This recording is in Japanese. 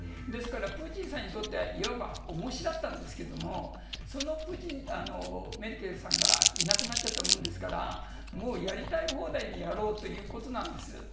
ですからプーチンさんにとっては、いわば重しだったんですが、そのメルケルさんがいなくなっちゃったものですから、もうやりたい放題にやろうということなんです。